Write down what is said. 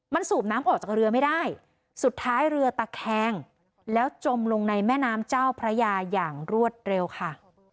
มันสูบน้ำออกจากเรือไม่ได้สุดท้ายเรือตะแคงแล้วจมลงในแม่น้ำเจ้าพระยาอย่างรวดเร็วค่ะ